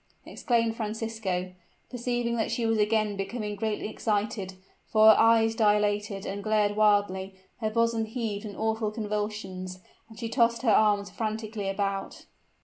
exclaimed Francisco, perceiving that she was again becoming greatly excited, for her eyes dilated and glared wildly, her bosom heaved in awful convulsions, and she tossed her arms frantically about.